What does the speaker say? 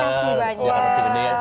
terima kasih banyak